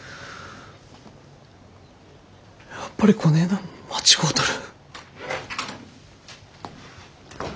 やっぱりこねえなん間違うとる。